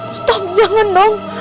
stop jangan dong